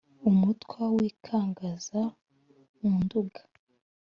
umutwa w'i kaganza mu nduga;